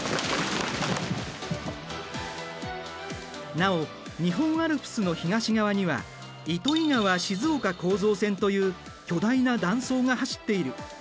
なお日本アルプスの東側には糸魚川・静岡構造線という巨大な断層が走っている。